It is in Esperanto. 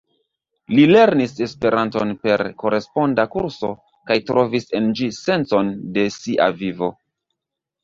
Li lernis Esperanton per koresponda kurso kaj trovis en ĝi sencon de sia vivo.